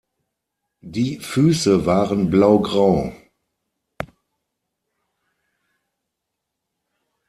Die Füße waren blaugrau.